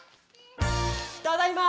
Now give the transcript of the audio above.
ただいま！